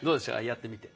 やってみて。